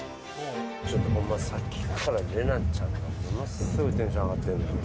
ちょっとほんま、さっきから玲奈ちゃんがものすごいテンション上がってるの。